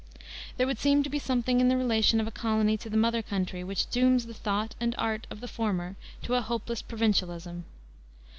There would seem to be something in the relation of a colony to the mother country which dooms the thought and art of the former to a hopeless provincialism.